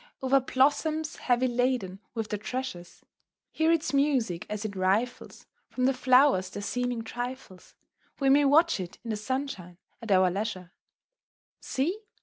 Over blossoms heavy laden with their treasures; Hear its music as it rifles From the flowers their seeming trifles; We may watch it in the sunshine at our leisure. [Illustration: "Hearty toil."] See!